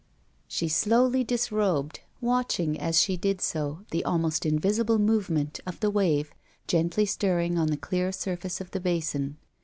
She slowly disrobed, watching as she did so the almost invisible movement of the wave gently stirring on the clear surface of the basin.